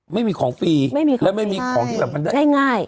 ไม่มีของฟรีไม่มีของและไม่มีสิ่งอย่างใช่ง่ายง่าย